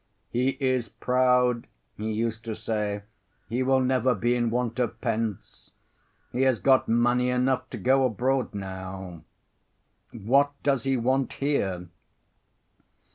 "He is proud," he used to say, "he will never be in want of pence; he has got money enough to go abroad now. What does he want here?